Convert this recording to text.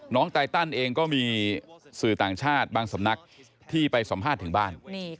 ไตตันเองก็มีสื่อต่างชาติบางสำนักที่ไปสัมภาษณ์ถึงบ้าน